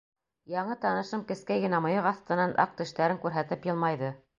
Яңы танышым кескәй генә мыйыҡ аҫтынан, аҡ тештәрен күрһәтеп, йылмайҙы.